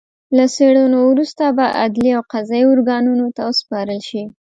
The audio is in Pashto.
له څېړنو وروسته به عدلي او قضايي ارګانونو ته وسپارل شي